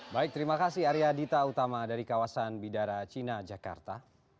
baik terima kasih arya dita utama dari kawasan bidara cina jakarta